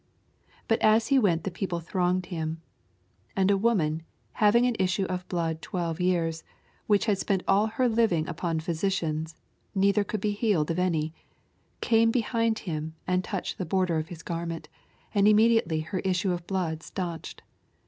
But as he went the people thronged him. 43 And a woman having an issue of blood twelve years, which had spent all her living upon physicians, neither could be healed of any, 44 Came behind Aim, and touched the border of his garment : and im mediately her issue of blood stanched.